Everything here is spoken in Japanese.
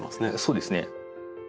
そうですね。